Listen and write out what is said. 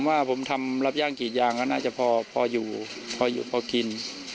ว่าผมทำรับย่างกี่อย่างก็น่าจะพออยู่พออยู่พอกิน